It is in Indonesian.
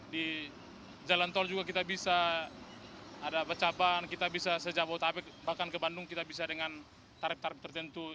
di jalan tol juga kita bisa ada pecah ban kita bisa sejabotabek bahkan ke bandung kita bisa dengan tarif tarif tertentu